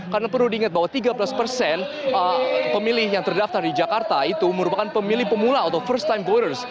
karena perlu diingat bahwa tiga belas persen pemilih yang terdaftar di jakarta itu merupakan pemilih pemula atau first time voters